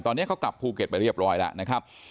ตอนนี้เขากลับภูเก็ตไปเรียบร้อยแล้วนะครับ